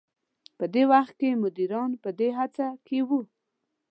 په دې وخت کې مديران په دې هڅه کې وو.